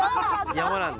山なんで。